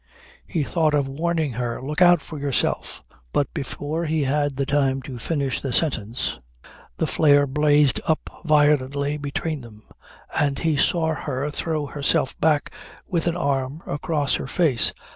He thought of warning her: "Look out for yourself." But before he had the time to finish the sentence the flare blazed up violently between them and he saw her throw herself back with an arm across her face.